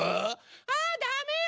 あダメよ